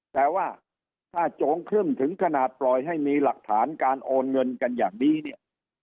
แต่ว่าถ้าโจงครึ่มถึงขนาดปล่อยให้มีหลักฐานการโอนเงินกันอย่างนี้เนี่ย